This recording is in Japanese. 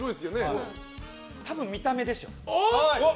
多分、見た目でしょ。